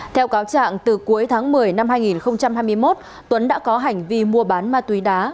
theo cáo trạng từ cuối tháng một mươi năm hai nghìn hai mươi một tuấn đã có hành vi mua bán ma túy đá